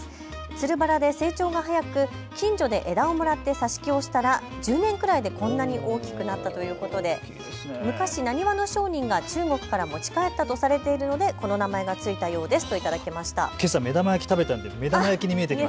つるバラで成長が早く近所で枝をもらって挿し木をしたら１０年くらいでこんなに大きくなったということで、昔なにわの商人が中国から持ち帰ったとされているのでこの名前が付いたようですと頂きました。